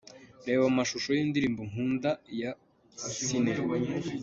Reba amashusho y'indirimbo Nkunda ya Ciney.